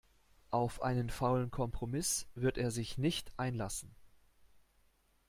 Auf einen faulen Kompromiss wird er sich nicht einlassen.